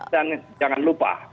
dan jangan lupa